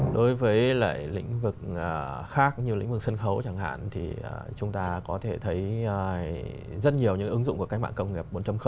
đối với lại lĩnh vực khác như lĩnh vực sân khấu chẳng hạn thì chúng ta có thể thấy rất nhiều những ứng dụng của cách mạng công nghiệp bốn